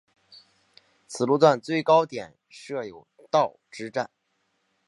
此路段最高点设有道之站。